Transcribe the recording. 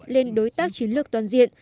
lên đối tác chiến lược toàn diện